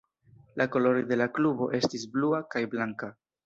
La koloroj de la klubo estis blua kaj blanka.